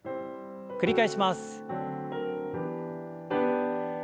繰り返します。